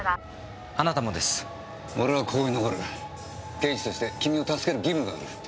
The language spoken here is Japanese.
刑事として君を助ける義務がある。